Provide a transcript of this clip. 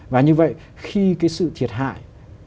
và như vậy khi cái sự thiệt hại